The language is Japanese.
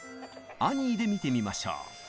「アニー」で見てみましょう。